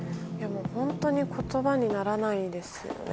本当に言葉にならないですよね。